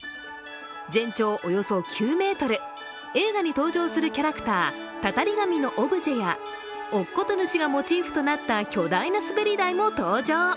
全長およそ９ｍ、映画に登場するキャラクタータタリ神のオブジェや乙事主がモチーフとなった巨大な滑り台も登場。